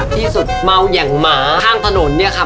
ที่สุดเมาอย่างหมาข้างถนนเนี่ยค่ะ